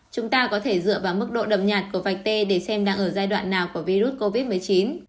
chúng ta có thể dựa vào mức độ đậm nhạt của vạch tê để xem đang ở giai đoạn nào của virus covid một mươi chín